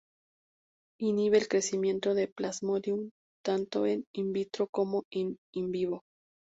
Inhibe el crecimiento de "Plasmodium" tanto "in vitro" como "in vivo".